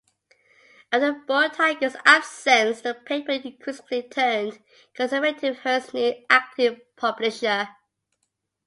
After Boettiger's absence, the paper increasingly turned conservative with Hearst's new acting publisher.